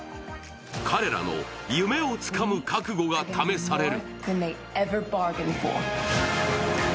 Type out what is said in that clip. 彼らの夢をつかむ覚悟が試される。